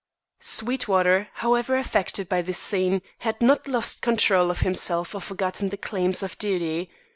_ Sweetwater, however affected by this scene, had not lost control of himself or forgotten the claims of duty.